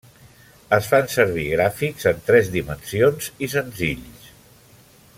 Es fan servir gràfics en tres dimensions i senzills.